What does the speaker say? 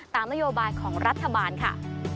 ตามนโยบายของรัฐบาลค่ะ